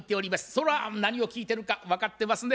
それは何を聴いてるか分かってますね？